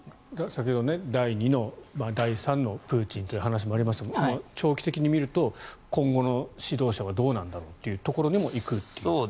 先ほど第２の、第３のプーチンという話もありましたが長期的に見ると今後の指導者はどうなんだろうというところにも行くと。